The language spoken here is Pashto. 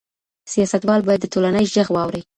سياستوال بايد د ټولنې ږغ واوري.